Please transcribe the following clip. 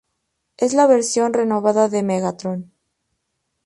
Es la versión renovada de Megatron.